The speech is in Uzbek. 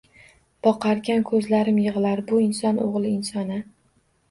Boqarkan koʻzlarim yigʻlar bu inson oʻgʻli insona